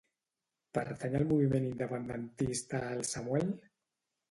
Pertany al moviment independentista el Samuel?